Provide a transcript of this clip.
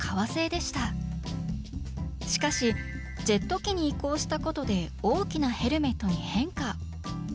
しかしジェット機に移行したことで大きなヘルメットに変化。